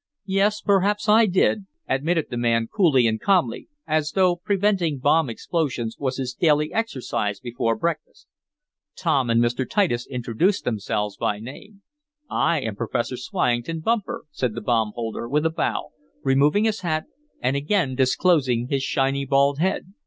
"Yes, perhaps I did," admitted the little man coolly and calmly, as though preventing bomb explosions was his daily exercise before breakfast. Tom and Mr. Titus introduced themselves by name. "I am Professor Swyington Bumper," said the bomb holder, with a bow, removing his hat, and again disclosing his shiny bald head.